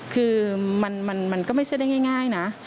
คือมันก็ไม่ใช่ได้ง่ายนะ